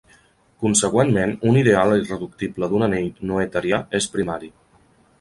Consegüentment, un ideal irreductible d'un anell noetherià és primari.